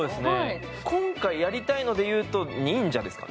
今回やりたいので言うと、忍者ですか。